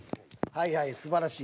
はいはいすばらしい。